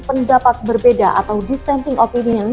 pendapat berbeda atau dissenting opinion